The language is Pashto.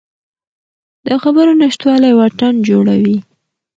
د خبرو نشتوالی واټن جوړوي